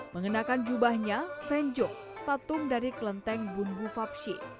mengenakan jubahnya fenjuk tatung dari kelenteng bunbhu fapsi